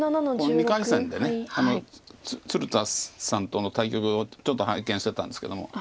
２回戦で鶴田さんとの対局をちょっと拝見してたんですけども。